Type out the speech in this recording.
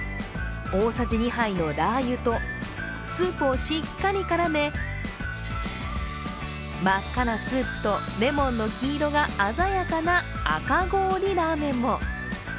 大さじ２杯のラー油とスープをしっかり絡め、真っ赤なスープとレモンの黄色が鮮やかな赤氷ラーメンも。